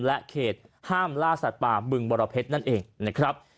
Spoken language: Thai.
และเขตห้ามล่าสัตว์ป่าบึงบรเพชรนั่นเองนะครับ